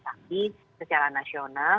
tapi secara nasional